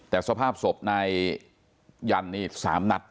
แต่สภาพศพนายยันนี่๓นัด